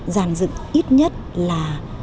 giàn dựng ít nhất là